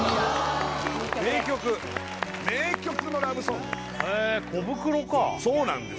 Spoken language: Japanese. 名曲名曲のラブソングへえコブクロかそうなんです